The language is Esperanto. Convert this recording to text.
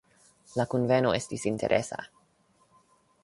La kunveno estis interesa.